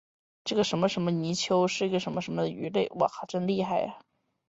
茶卡高原鳅为鳅科高原鳅属的鱼类。